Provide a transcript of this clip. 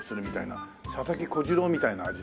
佐々木小次郎みたいな味だね。